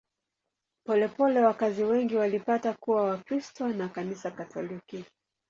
Polepole wakazi wengi walipata kuwa Wakristo wa Kanisa Katoliki.